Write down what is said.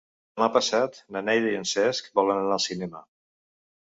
Demà passat na Neida i en Cesc volen anar al cinema.